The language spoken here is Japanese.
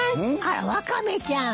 あらワカメちゃん。